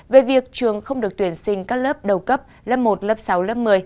về việc trường không được tuyển sinh các lớp đầu cấp lớp một lớp sáu lớp một mươi